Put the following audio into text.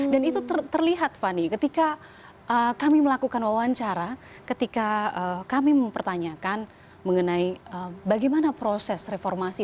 dan itu terlihat fani ketika kami melakukan wawancara ketika kami mempertanyakan mengenai bagaimana proses reformasi